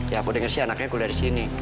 ya aku denger sih anaknya kuliah disini